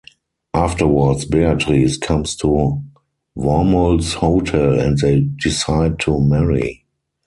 Afterwards, Beatrice comes to Wormold's hotel, and they decide to marry.